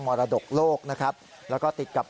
รดกโลกนะครับแล้วก็ติดกับ